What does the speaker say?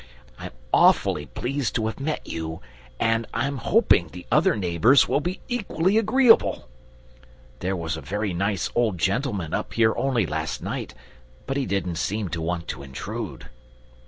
I'm awfully pleased to have met you, and I'm hoping the other neighbours will be equally agreeable. There was a very nice old gentleman up here only last night, but he didn't seem to want to intrude."